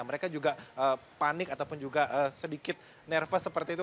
mereka juga panik ataupun juga sedikit nervos seperti itu